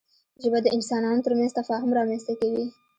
ژبه د انسانانو ترمنځ تفاهم رامنځته کوي